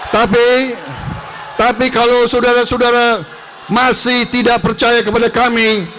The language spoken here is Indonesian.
tapi tapi kalau saudara saudara masih tidak percaya kepada kami